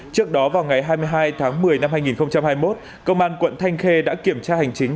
trước đó vào ngày hai mươi hai tháng một mươi năm hai nghìn hai mươi một công an quận thanh khê đã kiểm tra hành chính